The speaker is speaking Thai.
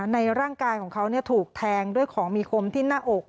ในร่างกายของเขาถูกแทงด้วยของมีคมที่หน้าอก